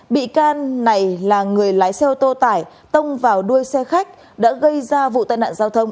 bị can này là người lái xe ô tô tải tông vào đuôi xe khách đã gây ra vụ tai nạn giao thông